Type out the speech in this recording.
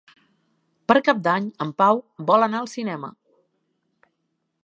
Per Cap d'Any en Pau vol anar al cinema.